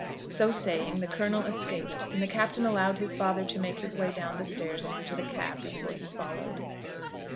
So saying the Colonel escaped, and the Captain allowed his father to make his way down the stairs and into the cab before he followed.